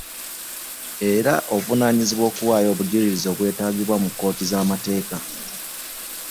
Era ovunaanyizibwa okuwaayo obujulizi obwetaagibwa mu kkooti z’amateeka.